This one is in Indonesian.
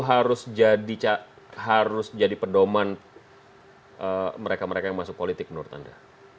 apa itu harus jadi pendoman mereka mereka yang masuk politik menurut anda